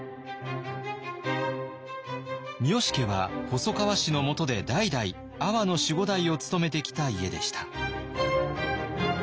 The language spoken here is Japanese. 三好家は細川氏のもとで代々阿波の守護代を務めてきた家でした。